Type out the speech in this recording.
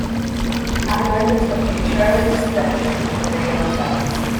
At the moment of Futura's destruction, Maria returns.